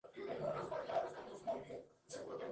Los servicios financieros los presta el Banco Agrario.